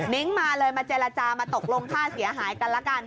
มาเลยมาเจรจามาตกลงค่าเสียหายกันละกัน